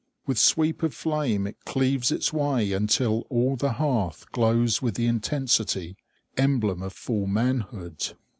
With sweep of flame it cleaves its way, until all the hearth glows with the intensity emblem of full manhood.